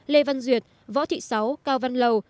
lê văn duyệt võ thị sáu cao văn lầu